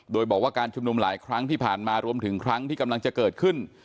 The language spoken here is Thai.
โดยบอกว่าการชุมนุมหลายครั้งที่ผ่านมารวมถึงครั้งที่กำลังจะเกิดขึ้น